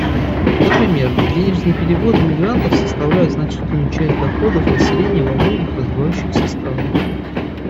Например, денежные переводы мигрантов составляют значительную часть доходов населения во многих развивающихся странах.